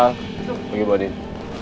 kita akan pergi ke rumah